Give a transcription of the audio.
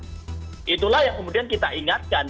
setelah yang kemudian kita ingatkan